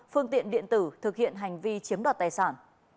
phương tiện điện tử thực hiện hành vi chiếm đoạt tài sản